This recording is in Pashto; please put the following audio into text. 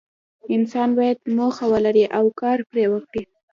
انسان باید موخه ولري او کار پرې وکړي.